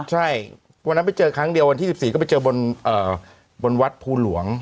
ใช่วันนั้นไปเจอครั้งเดียววันที่๑๔ก็ไปเจอบนวัดภูหลวง